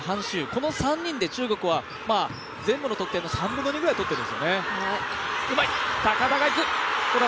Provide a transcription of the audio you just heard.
この３人で中国は全部の得点の３分の２ぐらい取っているんですね。